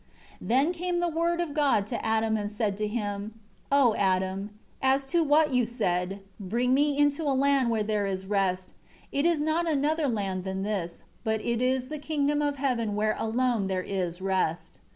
1 Then came the Word of God to Adam, and said to him: 2 "O Adam, as to what you said, 'Bring me into a land where there is rest,' it is not another land than this, but it is the kingdom of heaven where alone there is rest.